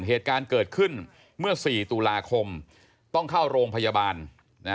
เหตุการณ์เกิดขึ้นเมื่อสี่ตุลาคมต้องเข้าโรงพยาบาลนะ